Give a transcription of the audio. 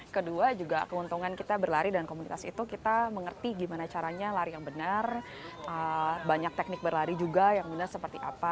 kedua juga keuntungan kita berlari dan komunitas itu kita mengerti gimana caranya lari yang benar banyak teknik berlari juga yang benar seperti apa